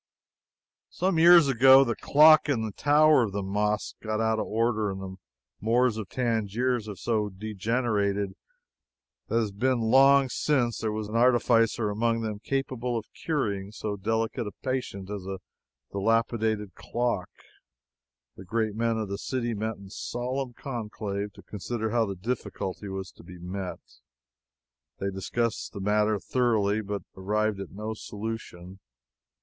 Some years ago the clock in the tower of the mosque got out of order. The Moors of Tangier have so degenerated that it has been long since there was an artificer among them capable of curing so delicate a patient as a debilitated clock. The great men of the city met in solemn conclave to consider how the difficulty was to be met. They discussed the matter thoroughly but arrived at no solution.